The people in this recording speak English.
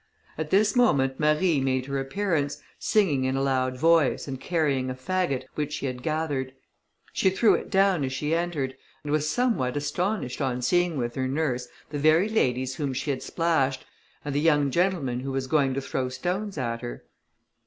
At this moment Marie made her appearance, singing in a loud voice, and carrying a faggot, which she had gathered. She threw it down as she entered, and was somewhat astonished on seeing with her nurse the very ladies whom she had splashed, and the young gentleman who was going to throw stones at her.